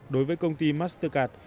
đối với công ty mastercard